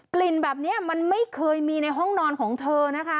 กลิ่นแบบนี้มันไม่เคยมีในห้องนอนของเธอนะคะ